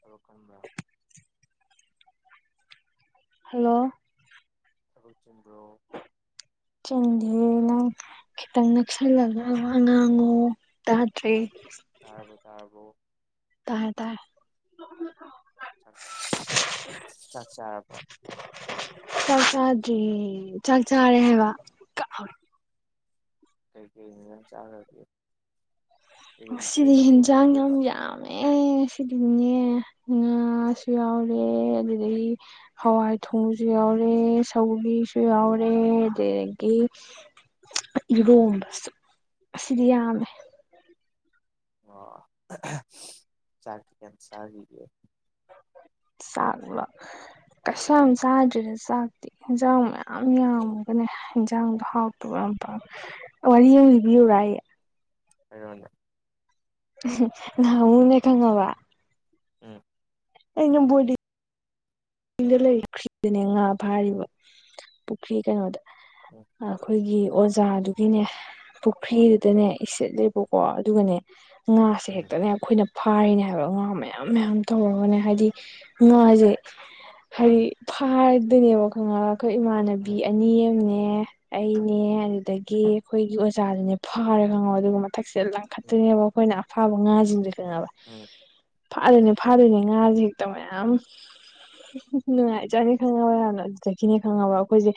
ꯊꯕꯛ ꯀꯟꯕ꯭ꯔ ꯍꯜꯂꯣ ꯊꯕꯛ ꯆꯤꯟꯕ꯭ꯔꯣ ꯆꯤꯟꯗꯤꯌꯦ ꯅꯪ ꯈꯤꯇꯪ ꯅꯛꯁꯜꯂꯒ ꯋꯥ ꯉꯥꯡꯉꯣ ꯇꯥꯗ꯭ꯔꯦ ꯇꯥꯔꯕꯣ ꯇꯥꯔꯕꯣ ꯇꯥꯔꯦ ꯇꯥꯔꯦ [unintelligible] [unintelligible] ꯆꯥꯛ ꯆꯥꯔꯕꯣ [unintelligible] ꯆꯥꯛ ꯆꯥꯗ꯭ꯔꯤꯌꯦ ꯆꯥꯛ ꯆꯥꯔꯦ ꯍꯥꯏꯕ ꯀꯩꯀꯩ ꯍꯤꯟꯖꯥꯡ ꯆꯥꯒ꯭ꯔꯒꯦ ꯉꯁꯤꯗꯤ ꯍꯤꯟꯖꯥꯡ ꯌꯥꯝ ꯇꯧꯒꯦꯕ ꯌꯥꯝ ꯃꯦ ꯉꯁꯤꯗꯤꯅꯦ ꯉꯥꯁꯨ ꯌꯥꯎꯔꯦ ꯑꯗꯨꯗꯒꯤ ꯍꯋꯥꯏ ꯊꯣꯡꯕꯖꯨ ꯌꯥꯎꯔꯦ ꯁꯧꯒ꯭ꯔꯤꯁꯨ ꯌꯥꯎꯔꯦ ꯑꯗꯨꯗꯒꯤ ꯏꯔꯣꯝꯕꯁꯨ ꯉꯁꯤꯗꯤ ꯌꯥꯝꯃꯦ ꯑꫭ [unintelligible] ꯆꯥꯛꯇꯤ ꯀꯌꯥꯝ ꯆꯥꯒꯤꯒꯦ ꯆꯥꯛꯂꯣ ꯀꯩꯁꯨꯌꯥꯝ ꯎꯝ ꯆꯥꯗ꯭ꯔꯤꯗ ꯆꯥꯛ ꯇꯤ ꯍꯤꯟꯖꯥꯡ ꯃꯌꯥꯝ ꯌꯥꯝꯃꯒꯅꯦ ꯍꯤꯟꯖꯥꯡꯗꯣ ꯍꯥꯎꯇꯕ ꯌꯥꯝ [unintelligible] ꯋꯥꯔꯤ ꯑꯝ ꯂꯤꯕꯤꯌꯨꯔ ꯑꯩ ꯍꯥꯏꯔꯛꯑꯣꯅꯦ [unintelligible] ꯉꯍꯥꯟꯃꯨꯛꯅꯦ ꯈꯪꯉꯕ ꯎꯝ ꯑꯩ ꯌꯨꯝꯕꯨꯗꯤ [unintelligible] ꯄꯨꯈ꯭ꯔꯤꯗꯅꯦ ꯉꯥ ꯎꯝ ꯐꯥꯔꯤꯕ ꯄꯨꯈ꯭ꯔꯤ ꯀꯩꯅꯣꯗ ꯎꯝ ꯑꯈꯣꯏꯒꯤ ꯑꯣꯖꯥꯗꯨꯒꯤꯅꯦ ꯄꯨꯈ꯭ꯔꯤꯗꯨꯗꯅꯦ ꯎꯝ ꯏꯁꯤꯠ ꯂꯦꯕ ꯀꯣ ꯑꯗꯨꯒꯅꯦ ꯉꯥꯁꯦ ꯎꯝ ꯍꯦꯛꯇꯅꯦ ꯑꯈꯣꯏꯅ ꯐꯥꯔꯤꯅꯦ ꯍꯥꯏꯕ ꯉꯥ ꯃꯌꯥꯝ ꯃꯌꯥꯝ ꯇꯧꯔꯒꯅꯦ ꯍꯥꯏꯗꯤ ꯉꯥꯖꯦ ꯍꯥꯏꯗꯤ ꯎꯝ ꯐꯥꯗꯣꯏꯅꯦꯕ ꯈꯪꯉꯕ ꯑꯩꯈꯣꯏ ꯏꯃꯥꯟꯅꯕꯤ ꯎꯝ ꯑꯅꯤ ꯑꯝꯅꯦ ꯑꯩꯅꯦ ꯑꯗꯨꯗꯒꯤ ꯑꯩꯈꯣꯏꯒꯤ ꯑꯣꯖꯥꯗꯨꯅꯦ ꯐꯥꯔꯦ ꯈꯪꯉꯕ ꯑꯗꯨꯒ ꯃꯊꯛꯁꯤꯗ ꯎꯝ ꯂꯪꯈꯠꯇꫭꯏꯅꯦꯕ ꯑꯈꯣꯏꯅ ꯑꯐꯥꯕ ꯉꯥꯖꯤꯡꯖꯦ ꯈꯪꯉꯕ ꯎꯝ ꯎꯝ ꯐꯥꯗꯣꯏꯅꯦ ꯐꯥꯗꯣꯏꯅꯦ ꯉꯥꯖꯦ ꯍꯦꯛꯇ ꯃꯌꯥꯝ ꯅꯨꯡꯉꯥꯏ ꯖꯥꯠꯅꯤ ꯈꯪꯉꯕ ꯌꯥꯝꯅ ꯑꯗꯨꯗꯒꯤꯅꯦ ꯈꯪꯉꯕ ꯑꯈꯣꯏꯁꯦ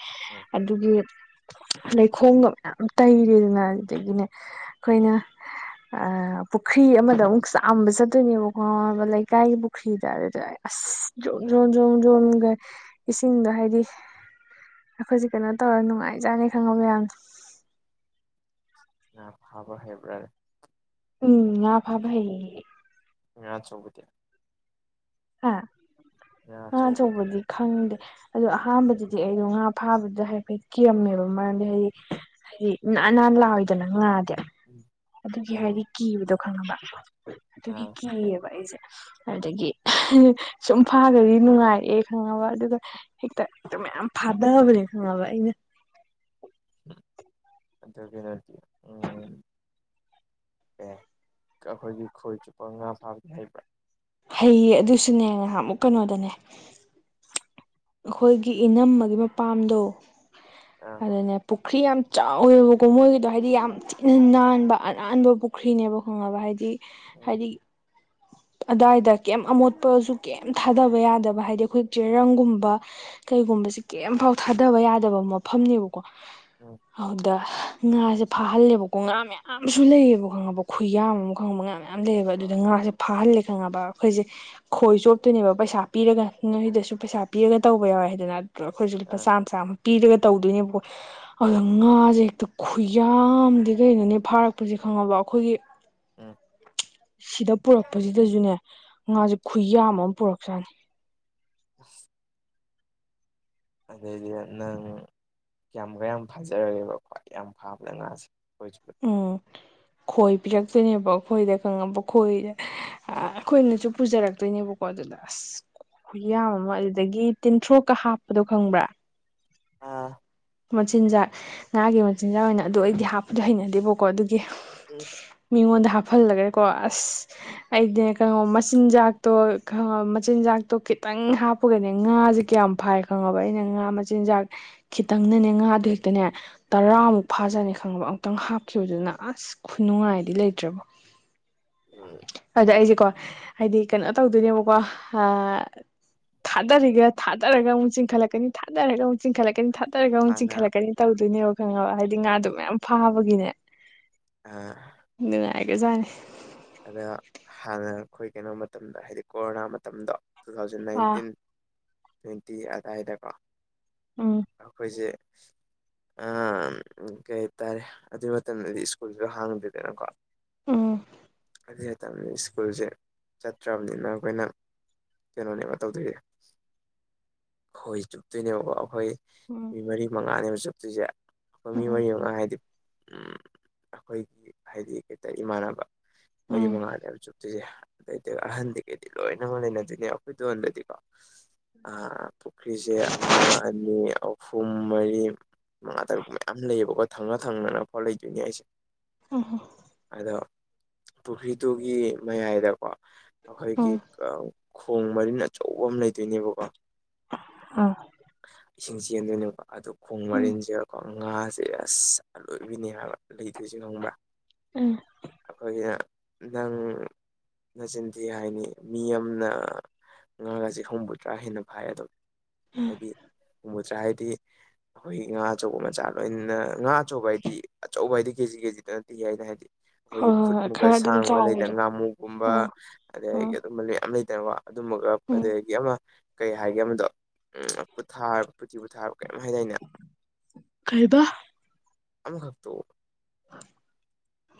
ꯑꯗꯨꯒꯤ ꯂꯩꯈꯣꯝꯒ ꯃꯌꯥꯝ ꯇꯩꯔꯦꯗꯅ ꯑꯗꯨꯗꯒꯤꯅꯦ ꯑꯈꯣꯏꯅ ꯑ ꯄꯨꯈ꯭ꯔꯤ ꯑꯃꯗ ꯑꯃꯨꯛ ꯆꯥꯝꯕ ꯆꯠꯇꯣꯏꯅꯦꯕꯀꯣ ꯈꯪꯉꯕ ꯂꯩꯀꯥꯏꯒꯤ ꯄꯨꯈ꯭ꯔꯤꯗ ꯑꯗꯨꯗ ꯑꯁ [inaudible] ꯖꯣꯝ ꯖꯣꯝ ꯖꯣꯝ ꯖꯣꯝꯒ ꯏꯁꯤꯡꯗꯣ ꯍꯥꯏꯗꯤ ꯑꯈꯣꯏꯖꯦ ꯀꯩꯅꯣ ꯇꯧꯔ ꯅꯨꯡꯉꯥꯏꯖꯥꯠꯅꯤ ꯈꯪꯉꯕ ꯌꯥꯝ ꯉꯥ ꯐꯥꯕ ꯍꯩꯕ꯭ꯔꯅꯦ ꯎꯝ ꯉꯥ ꯐꯥꯕ ꯍꯩꯌꯦ ꯉꯥ ꯑꯆꯧꯕꯗꯤ ꯍꯥ ꯉꯥ ꯑꯆꯧꯕꯗꯤ ꯈꯪꯗꯦ ꯑꯗꯣ ꯑꯍꯥꯟꯕꯗꯗꯤ ꯑꯩꯗꯣ ꯉꯥ ꯐꯥꯕꯗ ꯍꯥꯏꯐꯦꯠ ꯀꯤꯔꯝꯃꯦꯕ ꯃꯔꯝꯗꯤ ꯍꯥꯏꯗꯤ ꯁꯤ ꯅꯥꯟ ꯅꯥꯟ ꯂꯥꯎꯏꯗꯅ ꯉꯥꯗꯤ ꯑꯗꯨꯒꯤ ꯎꯝ ꯍꯥꯏꯗꯤ ꯀꯤꯕꯗꯣ ꯈꯪꯉꯕ ꯑꯗꯨꯒꯤ ꯑꯥ ꯀꯤꯌꯦꯕ ꯑꯩꯁꯦ ꯑꯗꯨꯗꯒꯤ ꯁꯨꯝ ꯐꯥꯒ꯭ꯔꯗꯤ ꯅꯨꯡꯉꯥꯏꯔꯛꯑꯦ ꯈꯪꯉꯕ ꯑꯗꯨꯒ ꯍꯦꯛꯇ ꯗꯨ ꯃꯌꯥꯝ ꯐꯥꯗꯕꯅꯦ ꯈꯪꯉꯕ ꯑꯩꯅ ꯑꯗꯨ ꯀꯩꯅꯣꯗꯤ ꯎꯝ ꯑꯦ ꯑꯩꯈꯣꯏꯒꯤ ꯈꯣꯏ ꯆꯨꯞꯄꯒ ꯉꯥ ꯐꯥꯕꯗꯤ ꯍꯩꯕ꯭ꯔꯥ ꯍꯩꯌꯦ ꯑꯗꯨꯁꯨꯅꯦ ꯉꯍꯥꯟꯃꯨꯛ ꯀꯩꯅꯣꯗꯅꯦ ꯑꯩꯈꯣꯏꯒꯤ ꯏꯅꯝꯃꯒꯤ ꯃꯄꯥꯝꯗꯣ ꯑꯥ ꯑꯗꯨꯅꯦ ꯄꯨꯈ꯭ꯔꯤ ꯌꯥꯝ ꯆꯥꯎꯋꯦꯕꯀꯣ ꯃꯣꯏꯒꯤꯗꯣ ꯍꯥꯏꯗꯤ ꯌꯥꯝ ꯊꯤꯅ ꯅꯥꯟꯕ ꯑꯅꯥꯟꯕ ꯄꯨꯈ꯭ꯔꯤꯅꯦꯕ ꯈꯪꯉꯕ ꯍꯥꯏꯗꯤ ꯎꯝ ꯍꯥꯏꯗꯤ [inaudible] ꯑꯗꯥꯏꯗ ꯀꯩꯝ ꯑꯃꯣꯠꯄꯁꯨ ꯀꯩꯝ ꯊꯥꯗꯕ ꯌꯥꯗꯕ ꯍꯥꯏꯗꯤ ꯑꯩꯈꯣꯏ ꯆꯦꯔꯪꯒꯨꯝꯕ ꯀꯩꯒꯨꯝꯕꯁꯦ ꯀꯩꯝꯐꯥꯎ ꯊꯥꯗꯕ ꯌꯥꯗꯕ ꯃꯐꯝꯅꯦꯕꯀꯣ ꯎꯝ ꯑꯗꯨꯗ ꯉꯥꯁꯦ ꯐꯥꯍꯜꯂꯦꯕꯀꯣ ꯉꯥ ꯃꯌꯥꯝꯁꯨ ꯂꯩꯌꯦꯕ ꯈꯪꯉꯕ ꯈꯨꯌꯥꯝ ꯑꯃ ꯈꯪꯉꯕ ꯉꯥ ꯃꯌꯥꯝ ꯃꯌꯥꯝ ꯂꯩꯌꯦꯕ ꯑꯗꯨꯗ ꯑꯥ ꯉꯥꯁꯦ ꯐꯥꯍꯜꯂꯦ ꯈꯪꯉꯕ ꯑꯩꯈꯣꯏꯁꯦ ꯈꯣꯏ ꯆꯣꯞꯇꯣꯏꯅꯦꯕ ꯄꯩꯁꯥ ꯄꯤꯔꯒ ꯅꯣꯏꯗꯁꯨ ꯄꯩꯁꯥ ꯄꯤꯔꯒ ꯇꯧꯕ ꯌꯥꯎꯋꯦ ꯍꯥꯏꯗꯅ ꯑꯩꯈꯣꯏꯁꯨ ꯂꯨꯄꯥ ꯑꯥ ꯆꯥꯝꯃ ꯆꯥꯝꯃ ꯄꯤꯔꯒ ꯇꯧꯗꯣꯏꯅꯦꯕꯀꯣ ꯎꯝ ꯑꯗꯨ ꯉꯥꯁꯦ ꯍꯦꯛꯇ ꯈꯨꯌꯥꯝꯗꯤ ꯀꯩꯅꯣꯅꯦ ꯐꯥꯔꯛꯄꯁꯦ ꯈꯪꯉꯕ ꯑꯩꯈꯣꯏꯒꯤ ꯎꯝ ꯁꯤꯗ ꯄꯨꯔꯛꯄꯁꯤꯗꯁꯨꯅꯦ ꯉꯥꯁꯦ ꯈꯨꯌꯥꯝ ꯑꯃ ꯄꯣꯔꯛꯁꯥꯠꯅꯤ [inaudible] ꯑꯗꯩꯗꯨꯗ ꯅꯪ ꯀꯌꯥꯝ ꯃꯨꯛꯀ ꯌꯥꯝ ꯐꯥꯖꯔꯒꯦꯕ ꯈ꯭ꯋꯥꯏ ꯌꯥꯝ ꯐꯥꯕꯗ ꯉꯥꯁꯦ ꯈꯣꯏ ꯆꯨꯞꯄꯗ ꯎꯝ ꯈꯣꯏ ꯄꯤꯔꯛꯇꯣꯏꯅꯦꯕ ꯑꯈꯣꯏꯗ ꯈꯪꯉꯕ ꯈꯣꯏꯗꯦ ꯑꯥ ꯑꯩꯈꯣꯏꯅꯁꯨ ꯄꯨꯖꯔꯛꯇꯣꯏꯅꯦꯕꯀꯣ ꯑꯗꯨꯗ ꯑꯁ ꯈꯨꯌꯥꯝ ꯑꯃ ꯑꯗꯨꯗꯒꯤ ꯇꯤꯟꯊ꯭ꯔꯣꯛꯀ ꯍꯥꯞꯄꯗꯣ ꯈꯪꯕ꯭ꯔꯥ ꯑꯥ ꯃꯆꯤꯟꯖꯥꯛ ꯉꯥꯒꯤ ꯃꯆꯤꯟꯖꯥꯛ ꯑꯣꯏꯅ ꯑꯗꯨ ꯑꯩꯗꯤ ꯍꯥꯞꯄꯗꯤ ꯍꯩꯅꯗꯦꯕꯀꯣ ꯑꯗꯨꯒꯤ ꯎꯝ ꯃꯤꯉꯣꯟꯗ ꯍꯥꯞꯐꯜꯂꯒꯀꯣ ꯑꯁ ꯑꯩꯗꯤꯅꯦ ꯈꯪꯉꯕ ꯃꯆꯤꯟꯖꯥꯛꯇꯣ ꯈꯪꯉꯕ ꯃꯆꯤꯟꯖꯥꯛꯇꯣ ꯈꯤꯇꯪ ꯍꯥꯞ ꯄꯥꯒꯅꯦ ꯉꯥꯁꯦ ꯀꯌꯥꯝ ꯐꯥꯏ ꯈꯪꯉꯕ ꯑꯩꯅ ꯉꯥ ꯃꯆꯤꯟꯖꯥꯛ ꯈꯤꯇꯪꯅꯅꯦ ꯉꯥꯗꯣ ꯍꯦꯛꯇꯅꯦ ꯇꯔꯥꯃꯨꯛ ꯐꯥꯖꯥꯠꯅꯤ ꯈꯪꯉꯕ ꯑꯃꯨꯛꯇꯪ ꯍꯥꯞꯈꯤꯕꯗꯨꯅ ꯑꯁ ꯈꯨꯅꯨꯡꯉꯥꯏꯗꯤ ꯂꯩꯇ꯭ꯔꯣꯕꯣ ꯎꯝ ꯑꯗ ꯑꯩꯖꯦꯀꯣ ꯍꯥꯏꯗꯤ ꯀꯩꯅꯣ ꯇꯧꯗꯣꯏꯅꯦꯕꯀꯣ ꯍꯥ ꯊꯥꯗꯔꯤꯒ ꯊꯥꯗꯔꯒ ꯑꯃꯨꯛ ꯆꯤꯡꯈꯠꯂꯛꯀꯅꯤ ꯊꯥꯗꯔꯒ ꯑꯃꯨꯛ ꯆꯤꯡꯈꯠꯂꯛꯀꯅꯤ ꯊꯥ [unintelligible] ꯑꯃꯨꯛ ꯍꯥꯟꯅ ꯆꯤꯡꯈꯠꯂꯛꯀꯅꯤ ꯇꯧꯗꯣꯏꯅꯦꯕ ꯈꯪꯉꯕ ꯍꯥꯏꯗꯤ ꯉꯥꯗꯣ ꯃꯌꯥꯝ ꯐꯥꯕꯒꯤꯅꯦ ꯑꯥ ꯅꯨꯡꯉꯥꯏꯒꯖꯥꯠꯅꯦ ꯑꯗꯣ ꯍꯥꯟꯅ ꯑꯩꯈꯣꯏ ꯀꯩꯅꯣ ꯃꯇꯝꯗ ꯍꯥꯏꯗꯤ ꯀꯣꯔꯣꯅꯥ ꯃꯇꯝꯗꯣ two thousand uh nineteen twenty ꯑꯗꯥꯏꯗꯀꯣ ꯎꯝ ꯑꯩꯈꯣꯏꯖꯦ ꯑꯝ ꯀꯩ ꯍꯥꯏꯇꯥꯔꯦ ꯑꯗꯨꯏ ꯃꯇꯝꯗꯗꯤ ꯁ꯭ꯀꯨꯜꯁꯨ ꯍꯥꯡꯗꯦꯗꯅꯀꯣ ꯎꯝ ꯑꯗꯨ ꯍꯥꯏꯇꯕꯅꯤ ꯁ꯭ꯀꯨꯜꯁꯦ ꯆꯠꯇ꯭ꯔꯕꯅꯤꯅ ꯑꯩꯈꯣꯏꯅ ꯀꯩꯅꯣꯅꯦꯕ ꯇꯧꯗꯣꯏꯖꯦ ꯈꯣꯏ ꯆꯨꯞꯇꯣꯏꯅꯦꯕ ꯀꯣ ꯑꯩꯈꯣꯏ ꯎꯝ ꯃꯤ ꯃꯔꯤ ꯃꯉꯥꯅꯦꯕ ꯆꯨꯞꯇꯣꯏꯁꯦ ꯑꯩꯈꯣꯏ ꯃꯤ ꯎꯝ ꯃꯔꯤ ꯃꯉꯥ ꯍꯥꯏꯗꯤ ꯎꯝ ꯑꯩꯈꯣꯏꯒꯤ ꯍꯥꯏꯗꯤ [unintelligible] ꯏꯃꯥꯟꯅꯕ ꯃꯔꯤ ꯎꯝ ꯃꯉꯥꯅꯦꯕ ꯆꯨꯞꯇꯨꯁꯦ ꯑꯗꯨꯗꯩꯗꯤ ꯑꯍꯟꯒꯩꯗꯤ ꯂꯣꯏꯅꯃꯛ ꯂꯩꯅꯗꯣꯏꯅꯦ ꯑꯩꯈꯣꯏꯗꯣꯟꯗꯗꯤꯀꯣ ꯑ ꯄꯨꯈ꯭ꯔꯤꯁꯦ ꯑꯃ ꯑꯅꯤ ꯑꯍꯨꯝ ꯃꯔꯤ ꯃꯉꯥ ꯇꯔꯨꯛ ꯃꯌꯥꯝ ꯂꯩꯌꯦꯕꯀꯣ ꯊꯪꯅ ꯊꯪꯅꯅ ꯑꯐꯥꯎ ꯂꯩꯗꯣꯏꯅꯦ ꯑꯩꯁꯦ ꯎ ꯍꯝ ꯑꯗꯣ ꯄꯨꯈ꯭ꯔꯤꯗꯨꯒꯤ ꯃꯌꯥꯏꯗꯀꯣ ꯑꯩꯈꯣꯏꯒꯤ ꯎꯝ ꯈꯣꯡ ꯃꯔꯤꯟ ꯑꯆꯧꯕ ꯑꯃ ꯂꯩꯗꯣꯏꯅꯦꯕꯀꯣ ꯑ ꯏꯁꯤꯡ ꯆꯦꯟꯗꯣꯏꯅꯦꯕ ꯑꯗꯣ ꯈꯣꯡ ꯎꯝ ꯃꯔꯤꯟꯁꯤꯔꯀꯣ ꯉꯥꯁꯦ ꯑꯁ ꯑꯂꯣꯏꯕꯤꯅꯦ ꯍꯥꯏꯕ ꯂꯩꯗꯣꯏꯁꯦ ꯈꯪꯕ꯭ꯔꯥ ꯎꯝ ꯑꯩꯈꯣꯏꯒꯤꯅ ꯅꯪ ꯅꯆꯤꯟꯊꯤ ꯍꯥꯏꯅꯤ ꯃꯤ ꯑꯃꯅ ꯉꯥꯒꯥꯁꯦ ꯍꯨꯝꯐꯨꯗ꯭ꯔꯥ ꯍꯦꯟꯅ ꯐꯥꯏ ꯑꯗꯨꯝ ꯍꯥꯏꯗꯤ ꯍꯨꯝꯕꯨꯗ꯭ꯔ ꯍꯥꯏꯗꯤ ꯑꯩꯈꯣꯏꯒꯤ ꯉꯥ ꯑꯆꯧꯕ ꯃꯆꯥ ꯂꯣꯏꯅ ꯉꯥ ꯑꯆꯧꯕ ꯍꯥꯏꯗꯤ ꯑꯆꯧꯕ ꯍꯥꯏꯗꯤ ꯀꯦꯖꯤ ꯀꯦꯖꯤꯗ ꯅꯠꯇꯦ ꯑꯩꯅ ꯍꯥꯏꯗꯤ ꯑꯩꯈꯣꯏꯒꯤ ꯍꯣꯏ ꯈꯨꯠ ꯍꯣꯏ ꯍꯣꯏ ꯃꯨꯛꯀ ꯈꯔ ꯑꯗꯨꯝ ꯁꯥꯡꯕ ꯂꯩꯗꯅ ꯆꯥꯎꯕꯗꯣ ꯉꯥꯃꯨꯒꯨꯝꯕ ꯎꯝ ꯑꯗꯒꯤꯗꯒꯤ ꯎꯝ ꯑꯗꯨꯝꯕ ꯂꯩ ꯃꯌꯥꯝ ꯂꯩꯗꯅꯀꯣ ꯑꯗꯨꯝꯃꯒ ꯎꯝ ꯑꯗꯒꯤ ꯑꯃ ꯀꯩ ꯍꯥꯏꯒꯦ ꯑꯃꯗꯣ ꯎꯝ [unintelligible] ꯍꯥꯏꯗꯥꯏꯅꯦ ꯀꯩꯏꯕ ꯑꯝꯈꯛꯇꯣ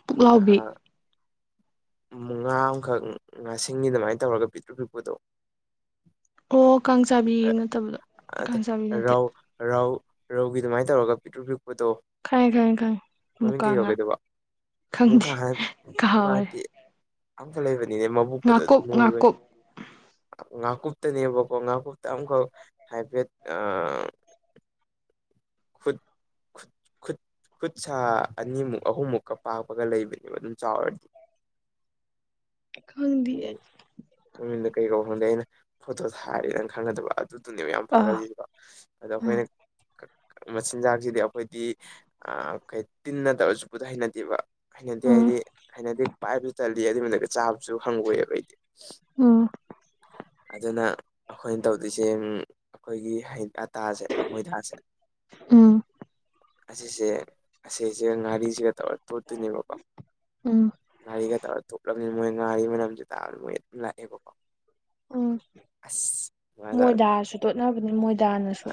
ꯄꯨꯛꯂꯥꯎꯕꯤ ꯎꯝ ꯉꯥ ꯑꯃꯈꯛ ꯉꯥꯁꯤꯡꯒꯤ ꯗꯨꯃꯥꯏꯅ ꯇꯧꯔꯒ ꯄꯤꯛꯇ꯭ꯔꯨ ꯄꯤꯛꯄꯗꯣ ꯑꯣ ꯀꯥꯡꯆꯥꯕꯤ ꯑ ꯑꯇꯦ ꯔꯧ ꯔꯧ ꯔꯧꯒꯤ ꯑꯗꯨꯃꯥꯏꯅ ꯇꯧꯔꯒ ꯄꯤꯛꯇ꯭ꯔꯨ ꯄꯤꯛꯄꯗꯣ ꯈꯪꯉꯦ ꯈꯪꯉꯦ ꯈꯪꯉꯦ ꯃꯃꯤꯡ ꯃꯨꯀꯥ ꯀꯩ ꯉꯥ ꯀꯧꯒꯦꯗꯨꯕꯤ ꯑꯃꯨꯛꯀ ꯈꯪꯗꯦ ꯍꯟ ꯑꯃꯨꯛꯀ ꯀꯥꯎꯔꯦ ꯇꯦ ꯑꯝꯐ ꯂꯩꯕꯅꯤꯅꯦ ꯃꯕꯨꯛꯀꯗ ꯑꯗꯨꯝ ꯉꯥꯀꯨꯞ ꯅꯣꯏꯕꯩ ꯉꯥꯀꯨꯞ ꯉꯥꯀꯨꯞꯇꯅꯦꯕꯀꯣ ꯉꯥꯀꯨꯞꯇ ꯑꯃꯈꯛ ꯍꯥꯏꯐꯦꯠ ꯈꯨꯠ ꯈꯨꯠ ꯈꯨꯠ ꯁꯥ ꯑꯅꯤꯃꯨꯛ ꯑꯍꯨꯝꯃꯨꯛꯀ ꯄꯥꯛꯄꯒ ꯂꯩꯕꯅꯦꯕ ꯑꯗꯨꯝ ꯆꯥꯎꯔꯗꯤ ꯈꯪꯗꯤꯌꯦ ꯎꯝ ꯃꯃꯤꯡꯗꯣ ꯀꯩ ꯀꯧꯕꯅꯣ ꯈꯪꯗꯦ ꯐꯣꯇꯣ ꯊꯥꯔꯗꯤ ꯅꯪ ꯈꯪꯒꯗꯕ ꯑꯗꯨꯗꯨꯅꯦꯕ ꯌꯥꯝ ꯑꯥ ꯐꯒꯜꯂꯤꯁꯦ ꯑꯗꯣ ꯑꯥ ꯑꯩꯈꯣꯏꯅ ꯃꯆꯤꯟꯖꯥꯛꯁꯤꯗꯤ ꯑꯩꯈꯣꯏꯗꯤ ꯑ ꯀꯩ ꯇꯤꯟꯅ ꯇꯧꯔꯒ ꯆꯨꯄꯗꯣ ꯍꯩꯅꯗꯦꯕ ꯍꯩꯅꯗꯤ ꯎꯝ ꯍꯥꯏꯗꯤ ꯍꯩꯅꯗꯤ ꯄꯥꯏꯕꯁꯨ ꯇꯜꯂꯤ ꯑꯗꯨꯏ ꯃꯊꯛꯇ ꯆꯥꯕꯁꯨ ꯍꯪꯒꯣꯌꯦꯕ ꯑꯩꯗꯤ ꯎꯝ ꯑꯗꯨꯅ ꯑꯩꯈꯣꯏꯅ ꯇꯧꯗꯣꯏꯁꯦ ꯎꯝ ꯑꯩꯈꯣꯏꯒꯤ ꯍꯩ ꯑꯇꯥꯁꯦ ꯃꯣꯏꯗꯥꯁꯦ ꯎꯝ ꯑꯁꯤꯁꯦ ꯑꯁꯤꯁꯤꯒ ꯉꯥꯔꯤꯁꯤꯒ ꯇꯧꯔ ꯇꯣꯠꯇꯣꯏꯅꯦꯕꯀꯣ ꯎꯝ ꯉꯥꯔꯤꯒ ꯇꯧꯔ ꯇꯣꯠꯂꯕꯅꯤꯅ ꯃꯣꯏ ꯉꯥꯔꯤ ꯃꯅꯝꯁꯤ ꯇꯥꯕꯗ ꯃꯣꯏ ꯑꯗꯨꯝ ꯂꯥꯛꯑꯦꯕꯀꯣ ꯎꯝ ꯑꯁ ꯃꯣꯏꯗꯥꯁꯨ ꯇꯣꯠꯅꯕꯅꯦ ꯃꯣꯏꯗꯥꯅ ꯑ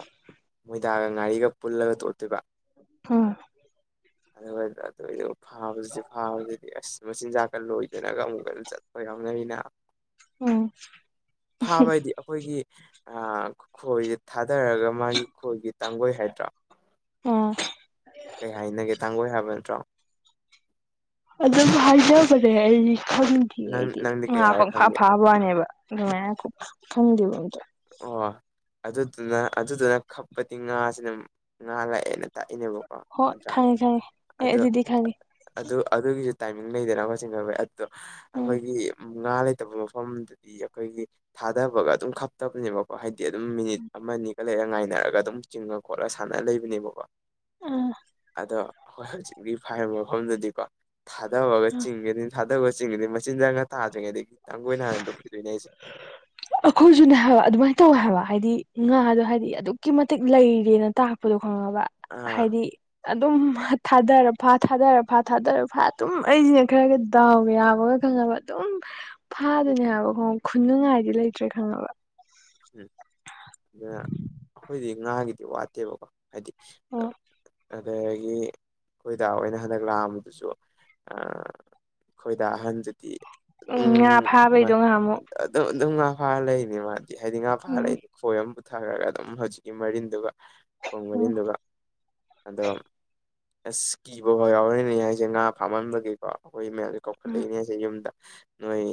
ꯃꯣꯏꯗꯒ ꯉꯥꯔꯤꯒ ꯄꯨꯜꯂꯒ ꯇꯣꯠꯇꯣꯏꯕ [unintelligible] [inaudible] ꯑꯗꯨꯒ ꯑꯗꯨꯏꯗꯨ ꯐꯥꯕꯖꯤ ꯐꯥꯕꯖꯤ ꯑꯁ ꯃꯆꯤꯟꯖꯥꯛꯀ ꯂꯣꯏꯗꯅꯒ ꯑꯃꯨꯛꯀ ꯆꯠꯄ ꯌꯤꯎꯅꯔꯤꯅꯦꯕ ꯎꯝ ꯐꯥꯕ ꯍꯥꯏꯗꯤ ꯑꯈꯣꯏꯒꯤ ꯑ ꯈꯣꯏ ꯊꯥꯗꯔꯒ ꯃꯥꯒꯤ ꯈꯣꯏꯒꯤ ꯇꯥꯡꯒꯣꯏ ꯍꯥꯏꯗ꯭ꯔꯣ ꯑꯣ ꯀꯩ ꯍꯥꯏꯅꯒꯦ ꯇꯥꯡꯒꯣꯏ ꯍꯥꯏꯕꯟꯇ꯭ꯔꯣ ꯑꯗꯨꯝ ꯍꯥꯏꯅꯕꯅꯦ ꯑꯩꯗꯤ ꯈꯡꯗꯤꯌꯦ ꯅꯪ ꯑꯩꯗꯤ ꯅꯪꯗꯤ ꯀꯩ ꯉꯥ ꯍꯥꯏꯔ ꯄꯪꯐꯥ ꯈꯪꯒꯦ ꯐꯥꯕ ꯋꯥꯅꯦꯕ ꯑꯗꯨꯃꯥꯏꯅ [unintelligible] ꯈꯪꯗꯦꯕ ꯑꯝꯇ ꯑꯣ ꯑꯗꯨꯗꯨꯅ ꯑꯗꯨꯗꯨꯅ ꯈꯞꯄꯗꯤ ꯉꯥꯥꯁꯤꯅ ꯉꯥ ꯂꯥꯛꯑꯦꯅ ꯇꯥꯛꯏꯅꯦꯕꯀꯣ ꯍꯣꯏ ꯅꯠꯇ꯭ꯔꯥ ꯈꯪꯉꯦ ꯈꯪꯉꯦ ꯑꯦ ꯑꯗꯣ ꯑꯗꯨꯗꯤ ꯈꯪꯉꯦ ꯑꯗꯨ ꯑꯗꯨꯒꯤꯁꯨ ꯇꯥꯏꯃꯤꯡ ꯂꯩꯗꯅ ꯀꯣ ꯆꯤꯡꯈꯠꯕꯩ ꯑꯗꯣ ꯎꯝ ꯑꯩꯈꯣꯏꯒꯤ ꯉꯥ ꯂꯩꯇꯕ ꯃꯐꯝ ꯃꯐꯝꯗꯗꯤ ꯑꯈꯣꯏꯒꯤ ꯊꯥꯗꯕꯒ ꯑꯗꯨꯝ ꯈꯞꯇꯕꯅꯦꯕꯀꯣ ꯍꯥꯏꯗꯤ ꯑꯗꯨꯝ ꯃꯤꯅꯤꯠ ꯑꯃꯅꯤ ꯂꯩꯔꯒ ꯉꯥꯏꯅꯔꯒ ꯑꯗꯨꯝ ꯆꯤꯡꯉ ꯈꯣꯠꯂ ꯁꯥꯟꯅꯔ ꯂꯩꯕꯤꯅꯦꯕꯀꯣ ꯑꯥ ꯑꯗꯣ ꯑꯈꯣꯏ ꯍꯧꯖꯤꯛꯀꯤ ꯐꯥꯏꯔꯤꯕ ꯃꯐꯝꯗꯗꯤꯀꯣ ꯊꯥꯗꯕꯒ ꯑꯥ ꯆꯤꯡꯒꯅꯤ ꯊꯥꯗꯕꯒ ꯆꯤꯡꯒꯗꯤ ꯃꯆꯤꯟꯖꯥꯛꯒ ꯊꯥꯗ꯭ꯔꯤꯉꯩꯗꯒꯤ ꯇꯥꯡꯒꯣꯏꯅ ꯍꯥꯟꯅ ꯂꯨꯞꯈꯤꯗꯣꯏꯅꯦ ꯍꯥꯏꯁꯦ [inaudible] ꯑꯈꯣꯏꯁꯨꯅꯦ ꯍꯥꯏꯕ ꯑꯗꯨꯃꯥꯏꯅ ꯇꯧꯋꯦ ꯍꯥꯏꯕ ꯍꯥꯏꯗꯤ ꯉꯥꯗꯣ ꯍꯥꯏꯗꯤ ꯑꯗꯨꯛꯀꯤ ꯃꯇꯤꯛ ꯂꯩꯔꯦꯅ ꯇꯥꯛꯄꯗꯣ ꯈꯪꯉꯕ ꯑꯥ ꯍꯥꯏꯗꯤ ꯑꯗꯨꯝ ꯊꯥꯗꯔ ꯐꯥ ꯊꯥꯗꯔ ꯐꯥ ꯊꯥꯗꯔ ꯐꯥ ꯑꯗꯨꯝ ꯑꯩꯁꯤꯅ ꯈꯔꯒ ꯗꯥꯎ ꯌꯥꯕꯒ ꯈꯪꯉꯕ ꯑꯗꯨꯝ ꯐꯥꯗꯣꯏꯅꯦ ꯍꯥꯏꯕ [unintelligible] ꯈꯨꯅꯤꯡꯉꯥꯏꯗꯤ ꯂꯩꯇ꯭ꯔꯦ ꯈꯪꯉꯕ ꯎꯝ ꯑꯗꯨꯅ ꯑꯈꯣꯏꯒꯤꯗꯤ ꯉꯥꯒꯤꯗꯤ ꯋꯥꯠꯇꯦꯕꯀꯣ ꯍꯥꯏꯗꯤ ꯑꯗꯒꯤ ꯑꯈꯣꯏꯗ ꯍꯣꯏꯅ ꯍꯟꯗꯛ ꯂꯥꯛꯑꯝꯕꯗꯨꯁꯨ ꯑꯈꯣꯏꯗ ꯑꯍꯟꯖꯤꯗꯤ ꯑꯗꯨꯝ ꯉꯥ ꯐꯥꯕꯩꯗꯣ ꯉꯍꯥꯟꯃꯨꯛ [unintelligible] ꯑꯗꯨꯝ ꯑꯗꯨꯝ ꯉꯥ ꯐꯥꯔ ꯂꯩꯕꯅꯤ ꯃꯥꯗꯤ ꯍꯥꯏꯗꯤ ꯉꯥ ꯐꯥꯔ ꯎꯝ ꯂꯩꯅꯤ ꯈꯣꯏ ꯑꯃ ꯄꯨꯊꯥꯔꯒ ꯑꯗꯨꯝ ꯍꯧꯖꯤꯛꯀꯤ ꯃꯔꯤꯟꯗꯨꯒ ꯈꯣꯡ ꯎꯝ ꯃꯔꯤꯟꯗꯨꯒ ꯑꯗꯨꯝ ꯑꯁ ꯀꯤꯕꯐꯥꯎ ꯌꯥꯎꯔꯤꯅꯦ ꯑꯩꯁꯦ ꯉꯥ ꯐꯝꯃꯟꯕꯒꯤꯀꯣ ꯑꯈꯣꯏ ꯃꯌꯥꯝ ꯀꯧꯈꯠꯂꯛꯏꯅꯦꯁꯦ ꯌꯨꯝꯗ ꯅꯣꯏ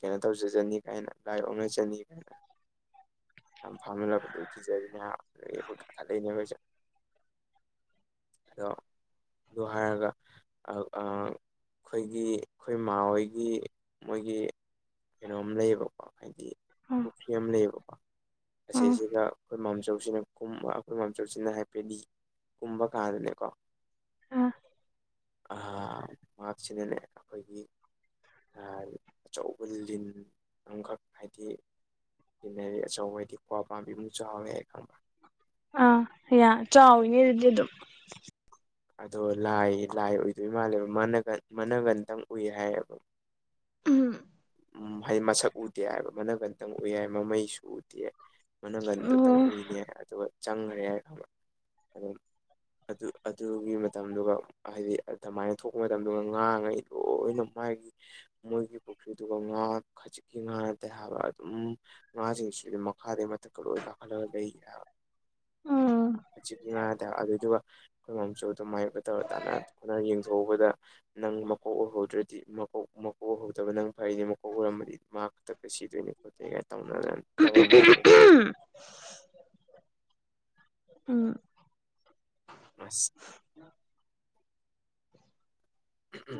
ꯀꯩꯅꯣ ꯇꯧꯖꯖꯅꯤ ꯀꯥꯏꯅ ꯂꯥꯏ ꯑꯣꯛꯅꯖ ꯖꯅꯤꯒꯥꯏꯅ ꯌꯥꯝ ꯐꯝꯃꯜꯂꯛꯕꯗꯣ ꯀꯤꯖꯔꯤꯅꯦ ꯍꯥꯏꯕ ꯑꯗꯨꯗꯒꯤ ꯑꯈꯣꯏ ꯀꯥꯈꯠꯂꯛꯏꯅꯦ ꯈꯣꯏꯁꯨ ꯑꯗꯣ ꯑꯗꯨ ꯍꯥꯏꯔꯒ ꯑꯧ ꯑꯥ ꯑꯈꯣꯏꯒꯤ ꯈꯣꯏꯃꯥꯍꯣꯏꯒꯤ ꯃꯣꯏꯒꯤ ꯀꯩꯅꯣꯝ ꯂꯩꯌꯦꯕꯀꯣ ꯍꯥꯏꯗꯤ ꯎꯝ ꯄꯨꯈ꯭ꯔꯤ ꯑꯃ ꯂꯩꯌꯦꯕꯀꯣ ꯎꯝ ꯎꯝ ꯑꯁꯤꯖꯤꯒ ꯑꯈꯣꯏ ꯃꯥꯝꯆꯧꯁꯤꯅ ꯀꯨꯝꯕ ꯑꯩꯈꯣꯏ ꯃꯝꯆꯧꯁꯤꯅ ꯍꯥꯏꯐꯦꯠꯗꯤ ꯀꯨꯝꯕ ꯀꯥꯟꯗꯅꯦꯀꯣ ꯑꯥ ꯑ ꯃꯍꯥꯛꯁꯤꯅꯅꯦ ꯑꯈꯣꯏꯒꯤ [unintelligible] ꯑꯆꯧꯕ ꯂꯤꯟ ꯑꯃꯈꯛ ꯍꯥꯏꯗꯤ ꯂꯤꯟꯅꯗꯤ ꯑꯆꯧꯕ [unintelligible] ꯀ꯭ꯋꯥ ꯄꯥꯝꯕꯤꯃꯨꯛ ꯆꯥꯎꯋꯦ ꯍꯥꯏ ꯈꯪꯕ꯭ꯔ ꯑꯥ ꯑꯌꯥ ꯆꯥꯎꯋꯤꯅꯦ ꯑꯗꯨꯗꯤ ꯑꯗꯨꯝ ꯑꯗꯣ ꯂꯥꯏ ꯂꯥꯏ ꯑꯣꯏꯗꯣꯏ ꯃꯥꯜꯂꯦꯕ ꯃꯅꯒꯟ ꯃꯥꯅꯒꯟꯇꯪ ꯎꯏ ꯍꯥꯏꯌꯦꯕ ꯎꯝ ꯎꯝ ꯍꯥꯏꯗꯤ ꯃꯁꯛ ꯎꯗꯦ ꯍꯥꯏꯕ ꯃꯅꯒꯟꯇꯪ ꯎꯏ ꯍꯥꯏꯕ ꯃꯃꯩꯁꯨ ꯎꯗꯦ ꯃꯅꯪꯒꯟꯗꯨꯇꯪ ꯑꯣ ꯎꯏꯌꯦ ꯑꯗꯨꯒ ꯆꯪꯈ꯭ꯔꯦ ꯍꯥꯏꯕ ꯑꯗꯨꯝ ꯑꯗꯨ ꯑꯗꯨꯒꯤ ꯃꯇꯝꯗꯨꯒ ꯍꯥꯏꯗꯤ ꯑꯗꯨꯃꯥꯏꯅ ꯊꯣꯛꯄ ꯃꯇꯝꯗꯨꯒ ꯉꯥꯡꯉꯩ ꯂꯣꯏꯅ ꯃꯥꯏ ꯃꯣꯏꯒꯤ [unintelligible] ꯑꯗꯨꯗꯨꯒ ꯉꯥ ꯈꯖꯤꯛꯀꯤ ꯉꯥꯅꯠꯇꯦ ꯍꯥꯏꯕ ꯑꯗꯨꯝ ꯉꯥꯖꯤꯡꯁꯤ ꯃꯈꯥꯗꯩ ꯊꯛꯇ ꯂꯣꯏ ꯀꯥꯈꯠꯂꯒ ꯂꯩ ꯍꯥꯏꯕ ꯎꯝ ꯈꯖꯤꯛꯀꯤ ꯉꯥ ꯅꯠꯇꯦ ꯍꯥꯏꯕ ꯑꯗꯨꯗꯨꯒ ꯑꯩꯈꯣꯏ ꯃꯥꯝꯆꯧꯗꯣ ꯃꯥꯏꯕ ꯇꯧꯔ ꯇꯥꯅ ꯈꯣꯠꯅꯔ ꯌꯦꯡꯊꯣꯛꯎꯕꯗ ꯅꯪ ꯃꯀꯣꯛ ꯎꯍꯧꯗ꯭ꯔꯥꯗꯤ ꯃꯀꯣꯛ ꯃꯀꯣꯛ ꯎꯍꯧ ꯑꯗꯨꯒ ꯅꯪ ꯐꯩꯌꯦ ꯃꯀꯣꯛ ꯑꯣꯏꯔꯝꯃꯗꯤ ꯃꯥ ꯈꯨꯗꯛꯇ ꯁꯤꯗꯣꯏꯅꯤ ꯈꯣꯠꯇꯦ ꯀꯥꯏꯅ ꯇꯧꯅꯔ ꯇꯧꯔꯝꯃꯦ ꯍꯥꯏꯕ ꯇꯪ ꯎꯝ ꯑꯝ ꯑꯁ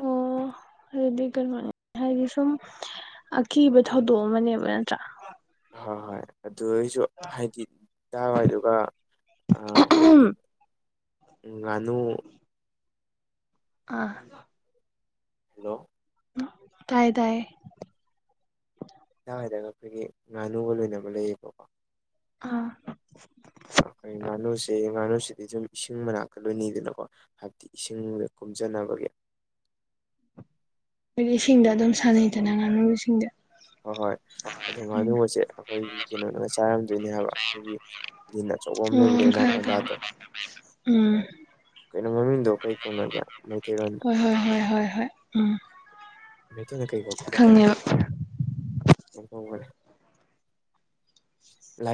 ꯑꯣ ꯑꯗꯨꯗꯤ ꯀꯩꯅꯣꯅꯤ ꯍꯥꯏꯗꯤ ꯁꯨꯝ ꯑꯀꯤꯕ ꯊꯧꯗꯣꯛ ꯑꯃꯅꯦꯕ ꯅꯠꯇ꯭ꯔꯥ ꯍꯣꯏ ꯍꯣꯏ ꯑꯗꯨꯏꯁꯨ ꯍꯥꯏꯗꯤ ꯇꯥ ꯋꯥꯗꯨꯒ ꯑ ꯑꯩꯈꯣꯏꯒꯤ ꯎꯝ ꯉꯥꯅꯨ ꯑꯥ ꯍꯜꯂꯣ ꯇꯥꯏꯌꯦ ꯇꯥꯏꯌꯦ ꯁꯥꯏꯋꯥꯏꯗꯒ ꯑꯩꯈꯣꯏꯒꯤ ꯉꯥꯅꯨꯒ ꯂꯣꯏꯅꯕ ꯂꯩꯌꯦꯕꯀꯣ ꯑꯥ ꯑꯩꯈꯣꯏ ꯉꯥꯅꯨꯁꯦ ꯉꯥꯅꯨꯁꯤꯗꯤ ꯖꯨꯝ ꯏꯁꯤꯡ ꯃꯅꯥꯛꯇ ꯂꯣꯏꯅꯩꯗꯅꯀꯣ ꯍꯥꯏꯕꯗꯤ ꯏꯁꯤꯡꯗ ꯀꯨꯝꯖꯅꯕꯒꯤ ꯍꯥꯏꯗꯤ ꯏꯁꯤꯡꯗ ꯑꯗꯨꯝ ꯁꯥꯟꯅꯩꯗꯅ ꯉꯥꯅꯨ ꯏꯁꯤꯡꯗ ꯍꯣꯏ ꯍꯣꯏ ꯑꯗꯨꯃꯥꯏꯅ ꯋꯥꯆꯦ ꯑꯩꯈꯣꯏꯒꯤ ꯀꯩꯅꯣꯅꯒ ꯆꯥꯔꯝꯗꯣꯏꯅꯦ ꯍꯥꯏꯕ ꯑꯩꯈꯣꯏꯒꯤ ꯂꯤꯟ ꯑꯆꯧꯕ ꯑꯃ ꯎꯝ ꯂꯩꯕꯅꯩ ꯈꯪꯉꯦ ꯈꯪꯉꯦ ꯑꯦꯅꯀꯣꯟꯗꯥꯗꯣ ꯎꯝ ꯀꯩꯅꯣ ꯃꯃꯤꯡꯗꯣ ꯀꯩ ꯀꯧꯅꯒꯦ ꯃꯩꯇꯩꯂꯣꯟꯗ ꯍꯣꯏ ꯍꯣꯏ ꯍꯣꯏ ꯍꯣꯏ ꯍꯣꯏ ꯎꯝ ꯃꯩꯇꯩꯗ ꯀꯩ ꯀꯧꯒꯦ ꯈꯪꯉꯦꯕ [unintelligible] [unintelligible]